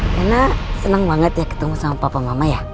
rena seneng banget ya ketemu sama papa mama ya